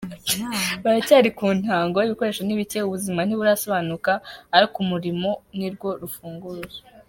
Baracyari ku ntango, ibikoresho ni bicye, ubuzima ntiburasobanuka, ariko umurimo nirwo rufunguzo.